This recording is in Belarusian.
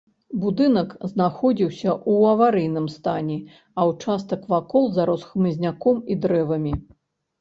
Будынак знаходзіўся ў аварыйным стане, а ўчастак вакол зарос хмызняком і дрэвамі.